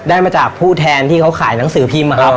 ได้มาจากผู้แทนที่เขาขายหนังสือพิมพ์นะครับ